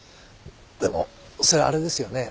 でもそれあれですよね。